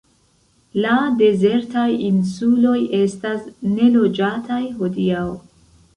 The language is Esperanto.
La dezertaj insuloj estas neloĝataj hodiaŭ.